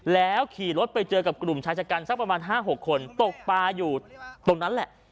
แล้วขี่รถไปเจอกับกลุ่มชายชะกันสักประมาณ๕๖คนตกปลาอยู่ตรงนั้นแหละ